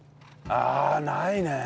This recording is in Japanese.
ああないね！